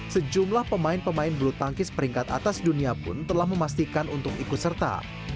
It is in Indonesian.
sejumlah pemain pemain bulu tangkis peringkat atas dunia pun telah memastikan untuk ikut serta